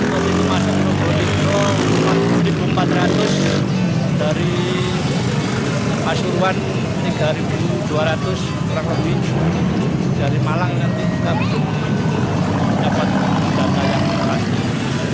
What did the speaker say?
masa menempatkan itu empat empat ratus dari asuruan tiga dua ratus terang kewinju dari malang nanti kita bisa dapat data yang berhasil